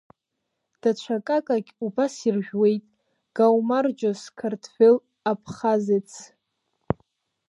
Даҽа акакагь убас иржәуеит, Гаумарџьос карҭвел Аԥхазеҭс!